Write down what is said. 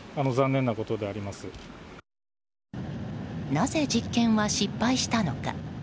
なぜ、実験は失敗したのか。